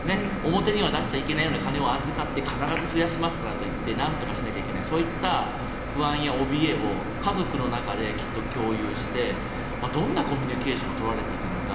表には出しちゃいけないような金を預かって必ず増やしますからとなんとかしなきゃいけないそういった不安やおびえを家族の中できっと共有してどんなコミュニケーションが取られていたのか。